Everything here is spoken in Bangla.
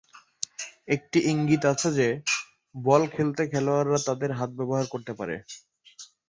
একটি ইঙ্গিত আছে যে বল খেলতে খেলোয়াড়রা তাদের হাত ব্যবহার করতে পারে।